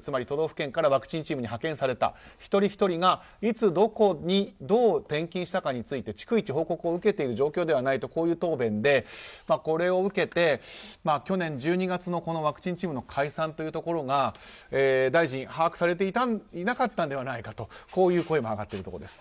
つまり都道府県からワクチンチームに派遣された一人ひとりがいつ、どこにどう転勤したかについて逐一報告を受けている状況ではないとこういう答弁で、これを受けて去年１２月のワクチンチームの解散を大臣が把握されていなかったのではないかとこういう声も上がっているところです。